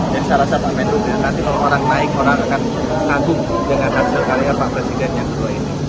dan saya rasa pak menuh nanti kalau orang naik orang akan kagum dengan hasil karya pak presiden yang kedua ini